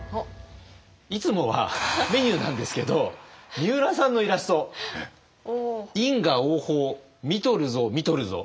いつもはメニューなんですけどみうらさんのイラスト「因果応報っ！！見とるぞ見とるぞ」。